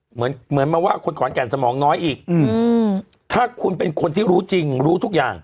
เหมือนเหมือนมาว่าคนขอนแก่นสมองน้อยอีกถ้าคุณเป็นคนที่รู้จริงรู้ทุกอย่าง